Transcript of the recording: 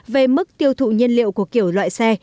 về mức tiêu thụ nhiên liệu của kiểu loại xe